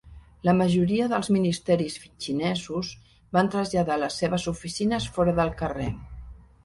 La majoria dels ministeris xinesos van traslladar les seves oficines fora del carrer.